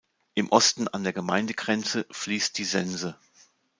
Im Osten an der Gemeindegrenze fliesst die Sense.